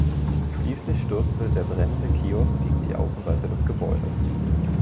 Schließlich stürzte der brennende Kiosk gegen die Außenseite des Gebäudes.